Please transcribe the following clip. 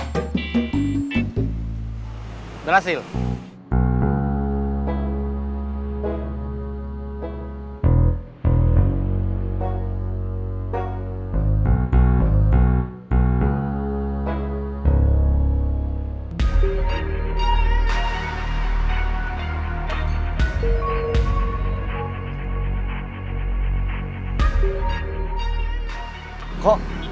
kita rapas yuk